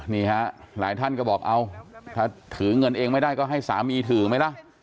นี่ฮะหลายท่านก็บอกเอ้าถ้าถือเงินเองไม่ได้ก็ให้สามีถือไหมล่ะ